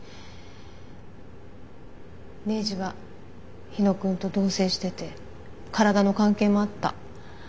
レイジは火野くんと同棲してて体の関係もあった。